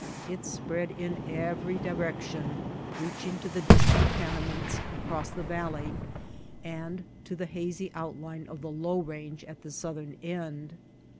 It spread in every direction, reaching to the distant Pana mints across the valley and to the hazy outline of the low range at the southern end.